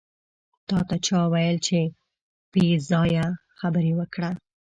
تاته چا وېل چې پې ځایه خبرې وکړه.